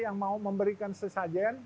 yang mau memberikan sesajen